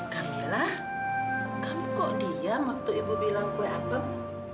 kamilah kamu kok diam waktu ibu bilang kue apel